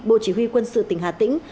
bộ chỉ huy quân sự tỉnh hà tĩnh